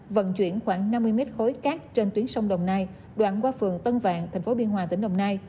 vận chuyển khoảng năm mươi mét khối cát trên tuyến sông đồng nai đoạn qua phường tân vạn tp biên hòa tỉnh đồng nai